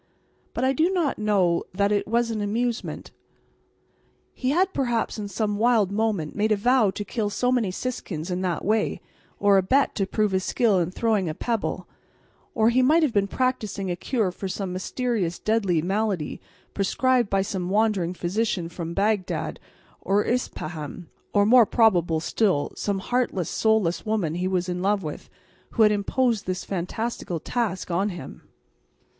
But I do not know that it was an amusement. He had perhaps in some wild moment made a vow to kill so many siskins in that way, or a bet to prove his skill in throwing a pebble; or he might have been practising a cure for some mysterious deadly malady, prescribed by some wandering physician from Bagdad or Ispaham; or, more probable still, some heartless, soulless woman he was in love with had imposed this fantastical task on him.